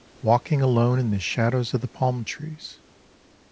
Walking alone in the shadows of the palm trees.